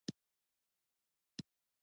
نفتو ته اړتیا ده.